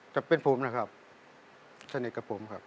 แต่เป็นผมนะครับสนิทกับผมครับ